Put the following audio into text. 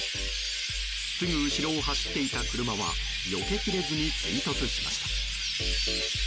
すぐ後ろを走っていた車はよけきれずに追突しました。